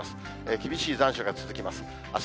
厳しい残暑が続きます。